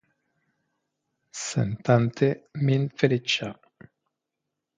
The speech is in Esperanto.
Sentante min feliĉa.